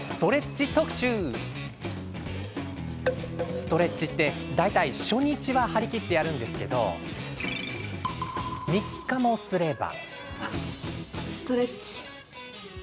ストレッチって大体初日は張り切ってやるんですけど３日もすれば。